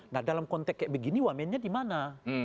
nah dalam konteks kayak begini wamennya di mana